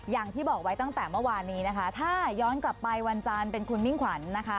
อย่างที่บอกไว้ตั้งแต่เมื่อวานนี้รากที่ย้อนกลับไปวันจานเป็นคุณมิ่งขวัญ